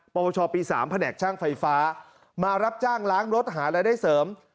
ปวชปี๓แผนกช่างไฟฟ้ามารับจ้างล้างรถหารายได้เสริม